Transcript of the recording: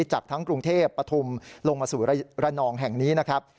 จากทั้งกรุงเทพปฐุมลงมาสู่ระนองแห่งนี้นะครับ